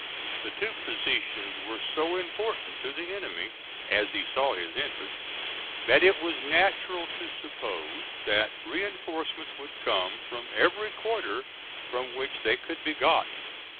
The two positions were so important to the enemy, AS HE SAW HIS INTEREST, that it was natural to suppose that reinforcements would come from every quarter from which they could be got.